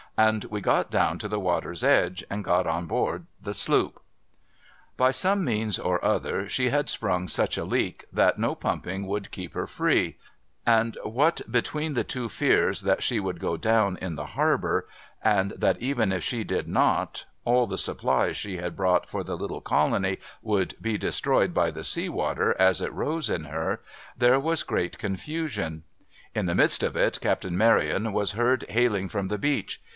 ' and we got down to the water's edge, and got on board the sloop. By some means or other, she had sprung such a leak, that no pumping would keep her free ; and what between the two fears that she would go down in the harbour, and that, even if she did not, all the supplies she had brought for the little colony would be destroyed by the sea water as it rose in her, there was great con fusion. In the midst of it. Captain Maryon was heard hailing from the beach.